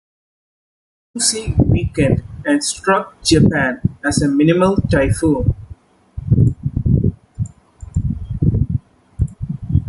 Lucy weakened and struck Japan as a minimal typhoon.